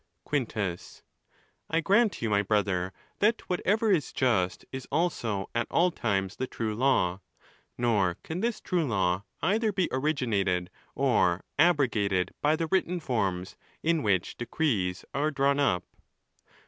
V. Quintus.—I grant you, my brother, that whatever is just is also at all times the true law; nor can this true law either be originated or abrogated by the written forms in which decrees are drawn up.